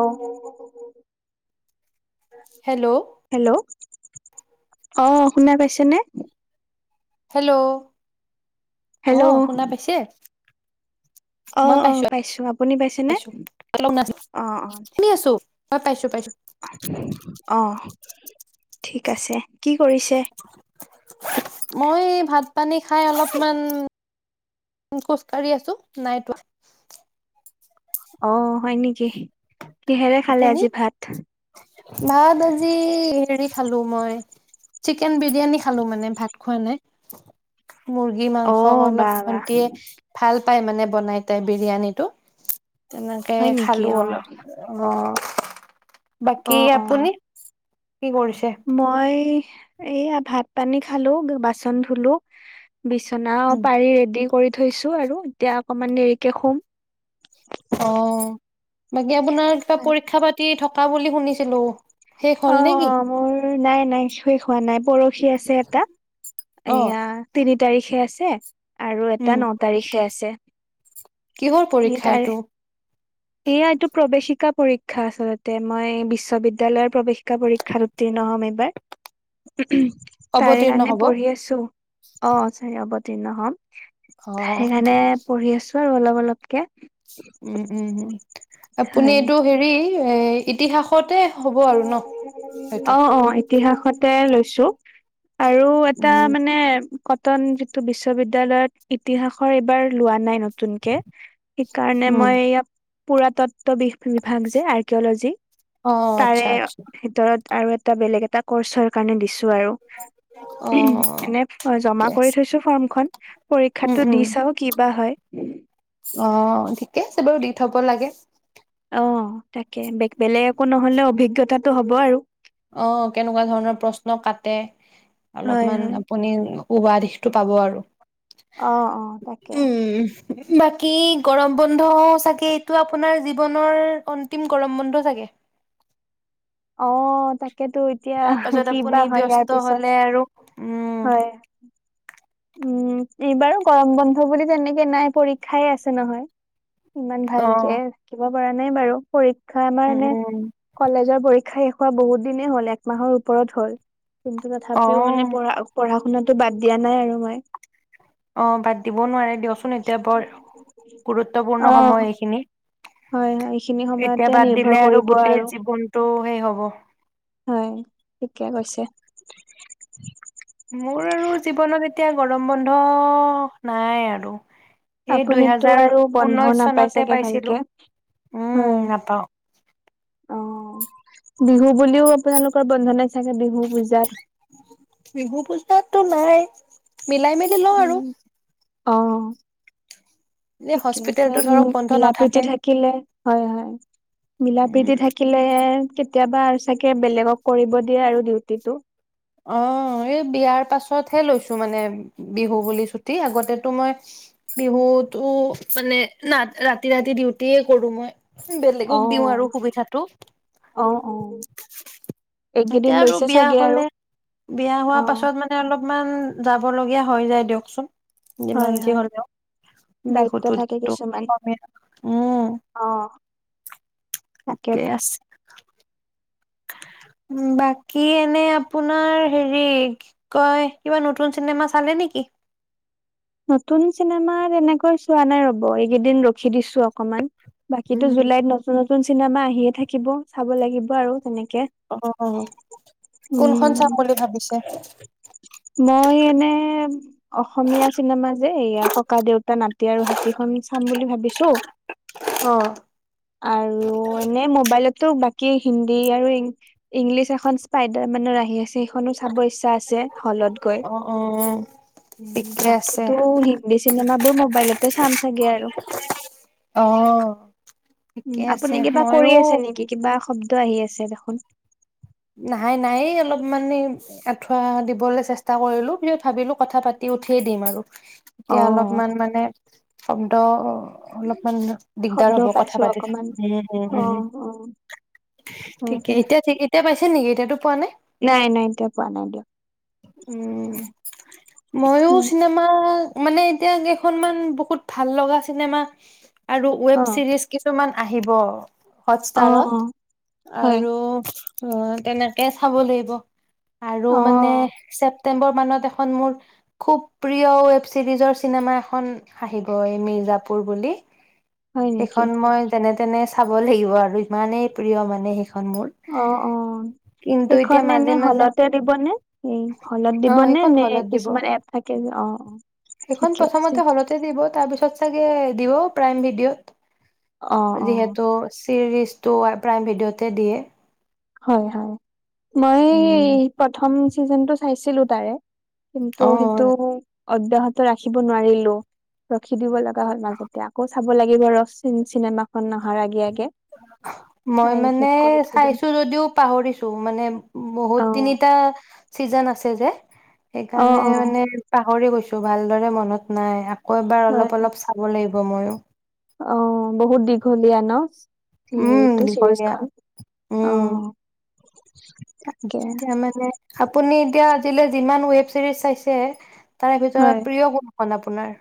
অ hello hello অ শুনা পাইছেনে হেল্ল' অ হেল্ল' শুনা পাইছে অ মই অ পাইছো আপুনি পাইছেনে? পাইছোছো লগ না অ অ শুনি আছো হয় পাইছো পাইছো অ ঠিক আছে কি কৰিছে? মই ভাত পানী খাই অলপমান খোজ কঢ়ি আছো নাইতোৱা অ হয় নেকি কিহেৰে খালে আপুনি আজি ভাত? ভাত আজি হেৰি খালো মই চিকেন বিৰিয়ানী খালো মানে ভাত খোৱা নাই মুৰ্গী অ মাংস অলপ বা বা ভটিয়ে ভাল পাই মানে বনাই তাই বিৰিয়ানীটো তেনেকে হয় নেকি খালো অ অলপ অ অ বাকী অ আপুনি কি কৰিছে মই এইয়া ভাত পানী খালো বাচন ধুলো বিচনা পাৰি ৰেডি কৰি থৈছো আৰু এতিয়া অকমান দেৰিকে সোম অ বাকী আপোনাৰ কিবা পৰীক্ষা পাতি থকা বুলি শুনিছিলো শেষ অ হ'ল নেকি? অ মোৰ নাই নাই শেষ হোৱা নাই পৰ আছে এ তাত অ এয়া তিনি তাৰিখে আছে আৰু উম এটা ন তাৰিখে আছে কিহৰ এই তাৰ পৰীক্ষাইটো এয়া এইটো প্ৰৱেশিকা পৰীক্ষা আচলতে মই বিশ্ববিদ্য়ালয়ৰ প্ৰৱেশিকা পৰীক্ষাত উ্ত নহ'ম এইবাৰ তাৰে অৱতীৰ্ণ কাৰণে হব পঢ়ি অ আছো অ চাৰ অৱতীৰ্ণ হম সেইকাৰণে পঢ়ি আছো আৰু অলপ অলপকে উম উম উম আপুনি হয় এইটো হেৰি এ ইতিহাসতে হ'ব আৰু ন সেইটো অ অ ইতিহাসতে লৈছো আৰু এটা উম মানে কটন যিটো বিশ্ববিদ্য়ালয়ত ইতিহাসৰ এইবাৰ লোৱা নাই নতুন নতুনকে সেইকাৰণে উম মই ইয় পুৰাতত্ব বি বিভাগ যে আৰ্কিঅলজি অ তাৰে আচ্ছা আচ্ছা ভিতৰত আৰু এটা বেলেগ এটা কৰ্চৰ কাৰণে দিছো আৰু অ এনে ঠিকে জমা কৰি আছে থৈছো ফৰ্মখন উম পৰীক্ষাতো দি উম চাও কিবা হয় উম অ ঠিকে আছে বাৰু দি থব লাগে অ তাকে বে বেলেগ একো নহলে অভিজ্ঞতাটো হ'ব আৰু অ কেনেকুৱা ধৰণৰ প্ৰশ্ন কাটে হয় অলপমান হয় আপুনি উবা দিশটো পাব আৰু অ অ তাকে উম বাকী গৰম বন্ধ চাগে এইটো আপোনাৰ জীৱনৰ অন্তিম গৰম বন্ধ চাগে [inaudible] অ তাকেতো এতিয়া তাৰ পাছত কি বা আপুনি হয় ইয়াৰ ব্যস্ত পিছত হলে আৰু উম হয় উম এইবাৰো গৰম বন্ধ বুলি তেনেকে নাই পৰীক্ষাই আছে নহয় ইমান অ ভালকে থাকিব পৰা নাই বাৰু পৰীক্ষা আমাৰ উম এনে উম কলেজৰ পৰি পৰীক্ষা শেষ হোৱা বহুত দিনেই হ'ল একমাহৰ ওপৰত হ'ল কিন্তু অ তথাপিও মানে পঢ়া পঢ়া শুনাতো বাদ দিয়া নাই আৰু মই অ বাদ দিবও নোৱাৰে দিয়কচোন এতিয়া বৰ গুৰুত্বপূৰ্ণ সময় অ', এইখিনি হয় হয় এইখিনি এতিয়া সময়তে বাদ নিৰ্ভৰ দিলে আৰু কৰিব গোটেই জীৱনতটো সেই হ'ব হয় ঠিকে কৈছে মোৰ আৰু জীৱনত এতিয়া গৰম বন্ধ নাই আৰু সেই আপুনিতো দুইহেজাৰ আৰু বন্ধও ঊনৈশ নাপাই চনতে চাগে ভালকে পাইছিলোঁ হয়। উম নাপাওঁ অ বিহু বুলিও আপোনালোকৰ বন্ধনাই চাগে বিহু পূজাত বিহু পূজাতো নাই মিলাই মেলি লওঁ আৰু উম। অ এই ঠিকে আছে হস্পিতেলটো ধৰক বন্ধ নাথাকে। মিলাপ্ৰীতি থাকিলে হয় হয় মিলা উম। প্ৰীতি থাকিলে কেতিয়াবা আৰু চাগে বেলেগক কৰিব দিয়ে আৰু ডিউটিটো অ এই বিয়াৰ পাছতহে লৈছো মানে বিহু বুলি ছুটি আগতেতো মই বিহুতো মানে না ৰাতি ৰাতি ডিউটিয়ে কৰো মই বেলেগক দিও অ', আৰু সুবিধাটো অ অ এইকেইদিন এতিয়া আৰু লৈছে বিয়া চাগে আৰু হলে বিয়া হোৱা অ পাছত মানে অলপমান যাবলগীয়া হৈ যায় দিয়কচোন। যিমান হয় যি হয় হ'লেও। দায়িত্ব বিহুটোত থাকে তো কিছুমান [unintelligible] উম। অ ঠিকে তাকেতো। আছে। বাকী এনে আপোনাৰ হেৰি কি কয় কিবা নতুন চিনেমা চালে নেকি? নতুন চিনেমা তেনেকৈ চোৱা নাই ৰব। এইকেইদিন ৰখি দিছো অক অকমান। বাকীতো উম। জুলাইত নতুন নতুন চিনেমা আহিয়ে থাকিব। চাব লাগিব আৰু তেনেকে অ', কোনখন চাম উম বুলি ভাবিছে? মই এনে অসমীয়া চিনেমা যে এয়া ককা দেউতা নাতি আৰু হাতীখন ছাম বুলি ভাবিছোঁ অ', আৰু এনেই মোবাইলত টো বাকী হিন্দী আৰু ইং ইংলিছ এখন স্পাইডাৰ মেনৰ আহি আছে সেইখনো চাব ইচ্ছা আছে হলত গৈ অ', অ'। ঠিকে আছে। বাকীতো হিন্দী চিনেমাবোৰ মোবাইলতে চাম চাগে আৰু। অ', ঠিকে আছে আপুনি কিবা ময়ো কৰি আছে নেকি, কিবা শব্দ আহি আছে দেখোন। নাই, নাই, এই অলপ মানে আঁঠুৱা দিবলে চেষ্টা কৰিলো, পিছত ভাবিলো কথা পাতি উঠি দিম আৰু, এতিয়া অ', অলপমান মানে শব্দ অলপমান দিগদাৰ শব্দ হ'ব কথা পাইছো পাতি থা অকমান। অ', [unintelligible] অ', হয়, ঠিকেই হয়। এতিয়া ঠিক এতিয়া পাইছে নেকি? এতিয়াতো পোৱা নাই? নাই এতিয়া পোৱা নাই দিয়ক। উম। মইয়ো হয়, চিনেমা মানে এতিয়া কেইখনমান বহুত ভাল লগা চিনেমা আৰু ওৱেব অ', চিৰিজ কিছুমান আহিব হটষ্টাৰত, অ', হয়। আৰু অ', তেনেকে চাব লাগিব। আৰু মানে অ', ছেপ প্তেম্বৰ মানত এখন মোৰ খুব প্ৰিয় ৱেব চিৰিজৰ চিনেমা এখন আহিব এ মে জাপুৰ বুলি। হয় নেকি? সেইখন মই যেনে তেনে চাব লাগিব আৰু ইমানেই প্ৰিয় মানে সেইখন মোৰ। অ', অ'। কিন্তু সেইখন এতিয়া মাজে এনে মাজে হলতে দিব নে? উম। হলত অ দিবনে সেইখন নে হলত দিব কিছুমান এপ থাকে যে, অ', অ'। সেইখন ঠিকে আছে। প্ৰথমতে হলতে দিব। তাৰপিছত চাগে দিব প্ৰাইম ভিডিঅ'ত। অ', অ'। যিহেতু চিৰিজটো আৰ প্ৰাইম ভিডিঅ'তে দিয়ে। হয়, হয়। মই উম প্ৰথম চিজনটো চাইছিলো তাৰে। কিন্তু অ সেইটো অব্যাহত ৰাখিব নোৱাৰিলো। খি দিব লগা হ'ল মাজতে। আকৌ চাব লাগিব ৰ চিন-চিনেমাখন অহাৰ আগে-আগে। মই মানে দিম চাইছো যদিও পাহৰিছো মানে অ বহুত তিনিটা চিজন আছে যে, অ সেইকাৰণে অ মানে পাহৰি গৈছো। ভালদৰে মনত নাই আকৌ এবাৰ হয় অলপ-অলপ চাব লাগিব মইয়ো। অ', বহুত দীঘলীয়া ন? সে উম হেৰিটো দীঘলীয়া চিৰিজখন। অ'। তাকে তাৰ মানে, আপুনি এতিয়া আজিলৈ যিমান ৱেব চিৰিজ চাইছে তাৰে হয় ভিতৰত প্ৰিয় কোনখন আপোনাৰ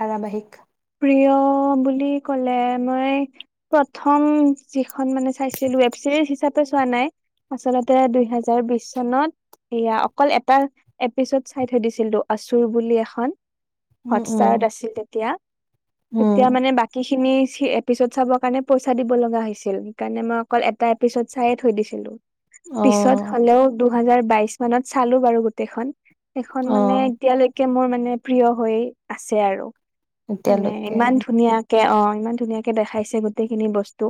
ধাৰাবাহিক? প্ৰিয় বুলি ক'লে মই প্ৰথম যিখন মানে চাইছিলো ৱেব চিৰিজ হিচাপে চোৱা না আচলতে দুইহেজাৰ বিশ চনত এয়া অকল এটা এপিছড চাই থৈ দিছিলো, আচুৰ বুলি এখন। উম উম হটষ্টাৰত আছিল তেতিয়া। তেতিয়া উম মানে বাকীখিনি থী এপিচড চাবৰ কাৰণে পইচা দিব লগা হৈছিল। সেইকাৰণে মই অকল এটা এপিচড চায়েই থৈ দিছিলো। অ পিছত হ'লেও দুহেজাৰ বাইশ মানত চালো বাৰু গোটেইখন। সেইখন অ মানে এতিয়ালৈকে মোৰ মানে প্ৰিয় হৈ আছে আৰু। মানে এতিয়ালৈকে ইমান ধুনীয়া কে অ', ইমান ধুনীয়াকে দেখাইছে গোটেইখিনি বস্তু।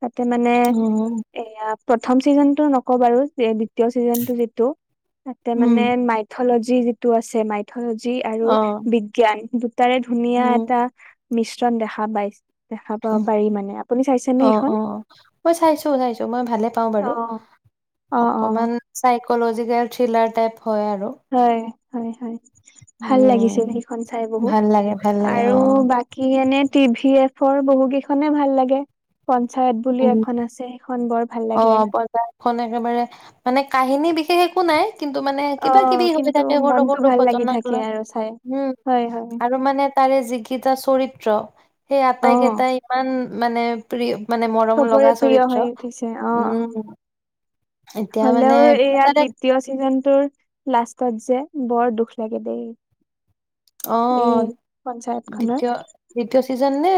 তাতে মানে উম এয়া প্ৰথম চিজনটো নকওঁ বাৰু দ্বিতীয় ছিজনটো যিটো, তাতে উম মানে মাইঠলজি যি-যিটো আছে মাইথলজি আৰু অ বিজ্ঞান দুটাৰে ধুনীয়া উম এটা মিশ্ৰণ দেখা বাইছ উম, অ', অ', মই চাইছোঁ-চাইছোঁ মই ভালে পাওঁ অ বাৰু। অ অকমান চাইকলজিকেল থ্ৰিলাৰ টাইপ। হয় আৰু। হয়, হয়-হয়, ভাল লাগিছিল উম সেইখন চাই বহুত। ভাল লাগে ভাল লাগে আৰু অ', বাকী এনে টি ভি এফৰ বহু কেইখনে ভাল লাগে। পঞ্চায়ত বুলি উম এখন আছে সেইখন বৰ ভাল লাগে। অ', বজাৰখন একেবাৰে মানে কাহিনী বিশেষ একো নাই কিন্তু মানে অ কিবা কিবি হৈ কিন্তু থাকে মনটো সৰু-সৰু ভাল লাগি ঘটনাক থাকে লৈ। আৰু চাই উম। হয় হয় আৰু মানে তাৰে যিকিটা চৰিত্ৰ, সেই অ আটাইকেইটাই ইমান মানে প্ৰিয় মানে মৰম চবৰে লগা প্ৰিয় চৰিত্ৰ। হৈ উঠিছে অ অ উম। এতিয়া মানে হ'লেও এইয়া তাৰে দ্বিতীয় চিজনটোৰ লাষ্টত যে বৰ দুখ লাগে দেই! এই অ'। পঞ্চায়ত খনৰ দ্বিতীয়, দ্বিতীয় চিজন নে?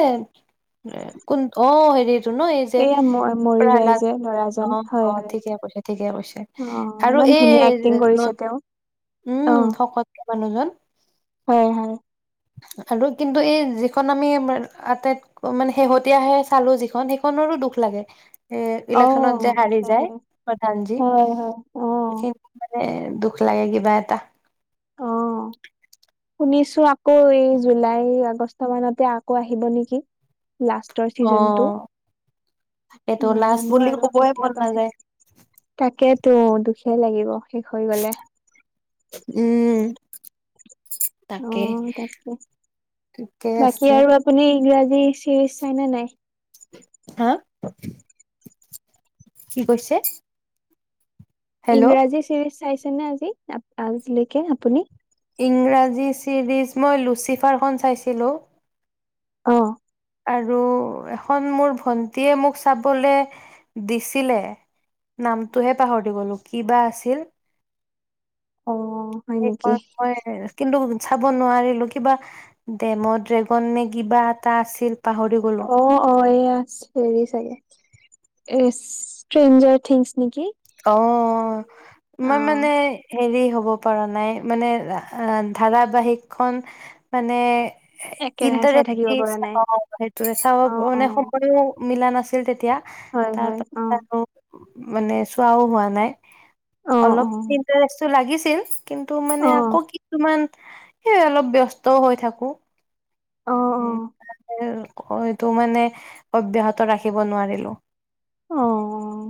কোন, অ'। টো ন, এই যে এইয়া ম মৰি যায় প্ৰহ্লাদ যে ল'ৰাজন হয় অ'-অ' হয় ঠিকে কৈছে ঠিকে কৈছে, অ আৰু ইমান এ, ধুনীয়া এক্টিং কৰিছে তেওঁ উম, সকত মানুহজন। 'হয়'-'হয়' আৰু কিন্তু এই যিখন আমি আটাইতক মানে শেহতীয়াহে চালোঁ যিখন, সেইখনৰ ৰো দুখ লাগে। এ অ ইলেকশ্যনত যে দুখ হাৰি যায় লাগে প্ৰধানজী, হয় হয় অ এই খিন দুখ লাগে কিবা এটা। শুনিছোঁ আকৌ এই জুলাই, আগষ্ট মানতে আকৌ আহিব নেকি। লাষ্টৰ অ ছিজনটো এইটো লাজ নাজানো বুলি আৰু কবই মন কেতিয়াবা আহে, নাযায় তাকে টো দুখেই লাগিব, শেষ হৈ গলে। উম তাকে অ', তাকে, ঠিকে বাকী আছে আৰু আপুনি ইংৰাজী হেৰী ছিৰিজ চাই নে নাই? হা? কি কৈছে? হেল্ল' ইংৰাজী চিৰিজ চাইছেনেে আজি আজিলৈকে আপুনি? ইংৰাজী ছিৰিজ মই লুচিফাৰখন চাইছিলোঁ। অ', আৰু এখন মোৰ ভন্টিয়ে মোক চাবলে দিছিলে নামটোহে পাহৰি গলোঁ, কি বা আছিল অ', হয় এই, নেকি? মই কিন্ত চাব নোৱাৰিলোঁ, কিবা ডেম ড্ৰেগন নে কিবা এটা আছিল। পাহৰি গলো অ'-অ', এইয়া হেৰি চাগে। এ, ষ্ট্ৰেঞ্জাৰ থিংছ নেকি? অ, মই অ', মানে হেৰি হ'ব পৰা নাই, মানে আ ধাৰাবাহিক খন মানে একেৰাহে চাই ইণ্টাৰেষ্ট থাকিব দি পৰা নাই। চাওঁ, সেইটোৱে চাব অ', মানে অ', সময়ো মিলা নাছিল তেতিয়া। হয়, হয়, তাৰপিছত আৰু অ', মানে চুৱাও হোৱা নাই, অ', অলপ অ', ইণ্টাৰেষ্টটো লাগিছিল। কিন্তু মানে অ', আকৌ কিছুমান, সেই অলপ ব্যস্তও হৈ থাকো। অ', অ', অ', অ'। এইটো মানে অব্যাহত ৰাখিব নোৱাৰিলো। অ',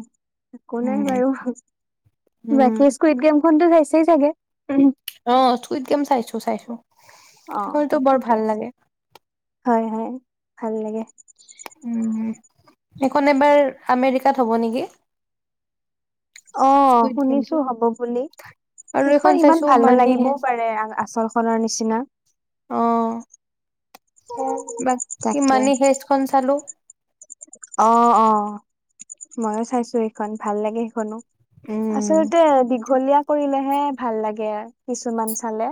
একো নাই উম বাৰু, উম বাকী স্কুইড গেম খনটো চাইছেই চাগে? অ স্কুইড গেম চাইছোঁ-চাইছোঁ। অ, ঠিকে আছে, হয়-হয় ভাল লাগে। এইখন এবাৰ আমেৰিকাত হ'ব নেকি অ স্কুইড গেমটো শুনিছো হ'ব বুলি আৰু সেইখন এইখন ইমান চাইছো ভাল মানি নালাগিবও হেষ্ট পাৰে আচল খনৰ নিচিনা অ বাকী তাকে মানি হেষ্টখন চালো অ অ ময়ো চাইছো এইখন ভাল লাগে সেইখনো উম আচলতে দীঘলীয়া কৰিলেহে ভাল লাগে, কিছুমান চালে।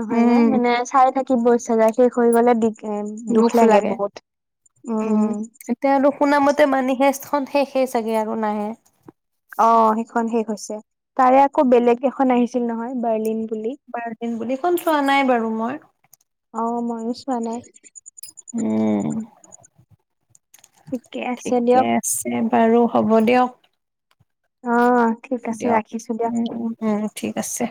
নহয়, নাই উম মানে চাই থাকিব ইচ্ছা যায়, শেষ হৈ গলে দি তাকে, দুখ লাগে বহুত উম-উম তেওঁলোক শুনামতে মানি হিষ্ট খন শে-শেষে চাগে আৰু নাহে। অ', সেইখন শেষ হৈছে, তাৰে আকৌ বেলেগ এখন আহিছিল নহয় বাৰ্লিন বুলি বাৰ দিন বুলিখন চোৱা নাই বাৰু মই অ ময়ু চোৱা নাই উম ঠিকে আছে ঠিকে দিয়ক আছে বাৰু হ'ব দিয়ক অ ঠিক আছে দিয়ক ৰাখিছো উম দিয়া উম উম ঠিক আছে